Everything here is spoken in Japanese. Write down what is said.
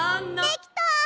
できた！